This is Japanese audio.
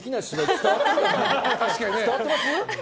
伝わってます？